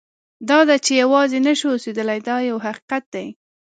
دا ده چې یوازې نه شو اوسېدلی دا یو حقیقت دی.